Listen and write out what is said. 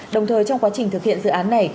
đồng thời trong quá trình thực hiện dự án này